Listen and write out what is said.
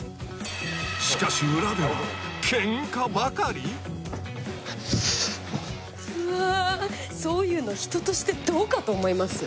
しかしうわそういうの人としてどうかと思いますよ